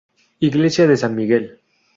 Iglesia de San Miguel.